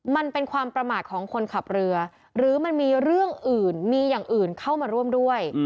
มันเป็นความประมาทของคนขับเรือหรือมันมีเรื่องอื่นมีอย่างอื่นเข้ามาร่วมด้วย